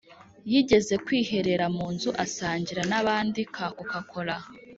yigeze kwiherera mu nzu asangira n'abandi ka "coca cola"